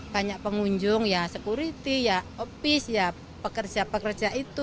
banyak pengunjung ya security ya office ya pekerja pekerja itu